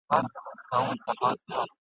سیلۍ به وړی رژولی یمه ..